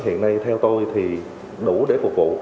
hiện nay theo tôi thì đủ để phục vụ